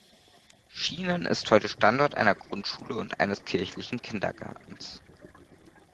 Schienen ist heute Standort einer Grundschule und eines kirchlichen Kindergartens.